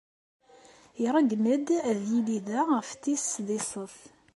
Iṛeggem-d ad yili da ɣef tis sḍiset.